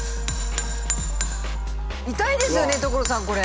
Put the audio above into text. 痛いですよね所さんこれ。